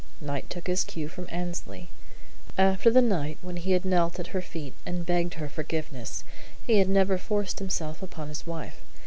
Knight took his cue from Annesley. After the night when he had knelt at her feet and begged her forgiveness he had never forced himself upon his wife.